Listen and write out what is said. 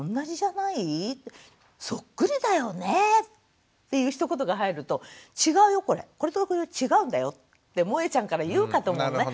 「そっくりだよね」っていうひと言が入ると「違うよこれこれとこれは違うんだよ」ってもえちゃんから言うかと思うのね。